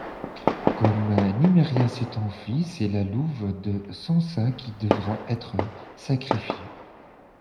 Comme Nymeria s'est enfuie, c'est la louve de Sansa qui devra être sacrifiée.